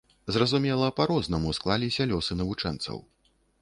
Зразумела, па-рознаму склаліся лёсы навучэнцаў.